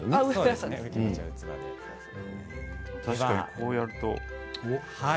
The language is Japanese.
こうやると。